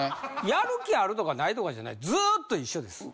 やる気あるとかないとかじゃないずっと一緒です。